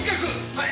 はい。